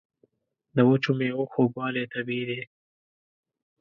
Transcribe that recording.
د وچو میوو خوږوالی طبیعي دی.